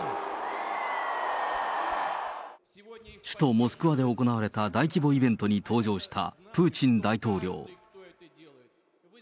首都モスクワで行われた大規模イベントに登場したプーチン大統領。